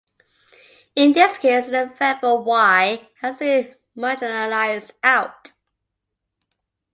In this case, the variable "Y" has been marginalized out.